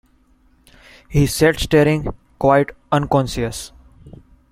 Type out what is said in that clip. He sat staring, quite unconscious.